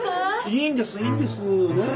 いいんですいいんですねえ。